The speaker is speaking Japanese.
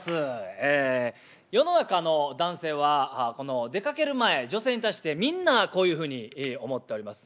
ええ世の中の男性は出かける前女性に対してみんなこういうふうに思っております。